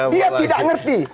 dia tidak ngerti